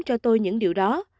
cho tôi những điều đó